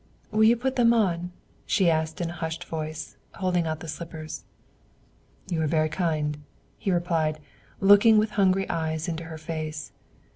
"Will you put them on?" she asked in a hushed voice, holding out the slippers. "You are very kind," he replied, looking with hungry eyes into her face.